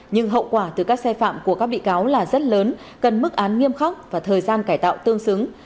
nhưng hậu quả từ các xe phạm của các bị cáo là rất lớn cần mức án nghiêm khắc và thời gian cải tạo tương xứng